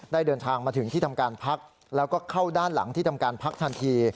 เดินทางมาถึงที่ทำการพักแล้วก็เข้าด้านหลังที่ทำการพักทันที